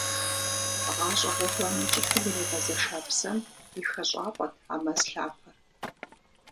Гъащӏэ гъуэгуанэ кӏыхьым иригъэзэша псэм и хэщӏапӏэт а мэз лъапэр.